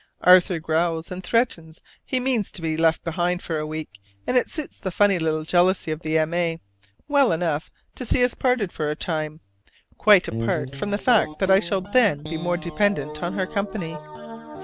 Arthur growls and threatens he means to be left behind for a week: and it suits the funny little jealousy of the M. A. well enough to see us parted for a time, quite apart from the fact that I shall then be more dependent on her company.